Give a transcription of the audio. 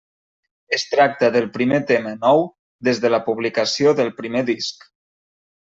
Es tracta del primer tema nou des de la publicació del primer disc.